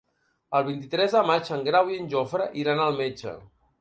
El vint-i-tres de maig en Grau i en Jofre iran al metge.